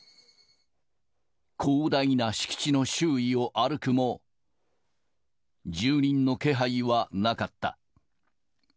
広大な敷地の周囲を歩くも、住人の気配はなかった。